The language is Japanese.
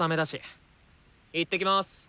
行ってきます。